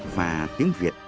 và tiếng việt